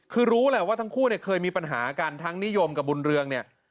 คือรู้แหละว่าทั้งคู่เนี่ยเคยมีปัญหากันทั้งนิยมกับบุญเรืองเนี่ย